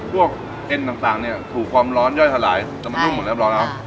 พวกเอ็นต์ต่างถูกความร้อนย่อยสลายแต่มันนุ่มขนิดนี้เรียบร้อยแล้ว